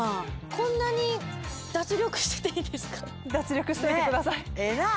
こんなに脱力してていいですか脱力しといてくださいええなあ